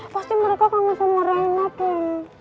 pasti mereka kangen sama reina ben